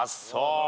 そう。